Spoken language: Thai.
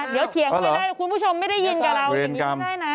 แล้วเถียงไว้เลยไม่ได้ยินกับเรา